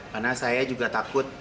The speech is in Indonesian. karena saya juga takut